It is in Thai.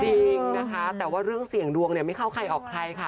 จริงนะคะแต่ว่าเรื่องเสี่ยงดวงเนี่ยไม่เข้าใครออกใครค่ะ